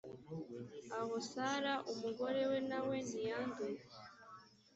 aho sara umugore we na we ntiyanduye